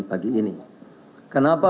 pagi ini kenapa